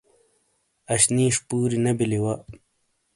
اش نیش پوری نے بلی وا